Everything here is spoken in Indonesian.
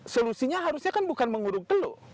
solusinya harusnya kan bukan menguruk teluk